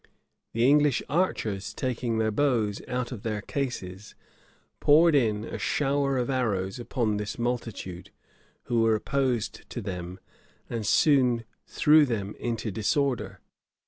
The English archers, taking their bows out of their cases, poured in a shower of arrows upon this multitude who were opposed to them, and soon threw them into disorder.